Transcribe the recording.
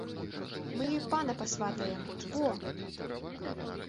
Мы ёй пана пасватаем, во!